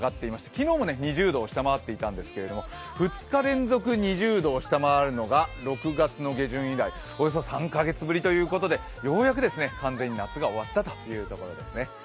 昨日も２０度を下回っていたんですけれども２日連続２０度を下回るのが６月下旬以来、およそ３か月ぶりということで、ようやく完全に夏が終わったというところですね。